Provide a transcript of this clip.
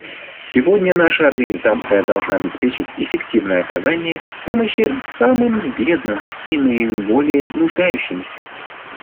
Сегодня наша Организация должна обеспечить эффективное оказание помощи самым бедным и наиболее нуждающимся.